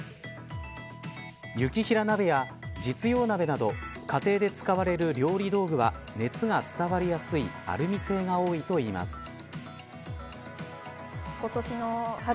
行平鍋や実用鍋など家庭で使われる料理道具は熱が伝わりやすいアルミ製が多いといいます。